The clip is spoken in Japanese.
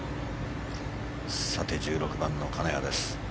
１６番の金谷です。